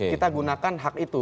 kita gunakan hak itu